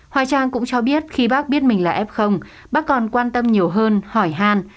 hoài trang cũng cho biết khi bác biết mình là f bác còn quan tâm nhiều hơn hỏi han